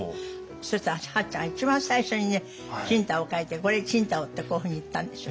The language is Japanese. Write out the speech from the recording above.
そしたら八ちゃん一番最初にね青島を書いて「これ青島」ってこういうふうに言ったんですよ。